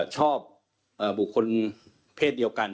มีพฤติกรรมเสพเมถุนกัน